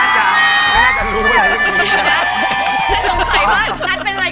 ใครเป็นใคร